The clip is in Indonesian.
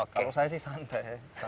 kalau saya sih santai